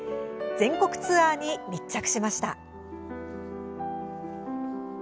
全国ツアーに密着しました。